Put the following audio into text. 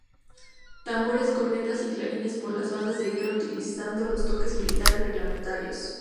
Tambores, cornetas y clarines por las bandas de guerra, utilizando los toques militares reglamentarios.